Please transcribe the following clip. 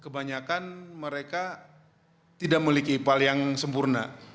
kebanyakan mereka tidak memiliki ipal yang sempurna